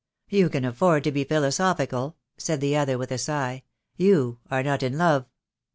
"You can afford to be philosophical," said the other, with a sigh. "You are not in love!"